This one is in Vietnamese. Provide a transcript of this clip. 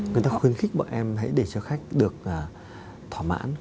người ta khuyến khích bọn em hãy để cho khách được thỏa mãn